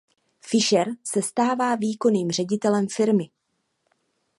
Fischer se stává výkonným ředitelem firmy.